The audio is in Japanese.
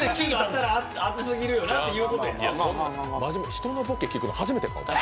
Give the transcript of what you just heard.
人のボケ聞くの初めてかお前。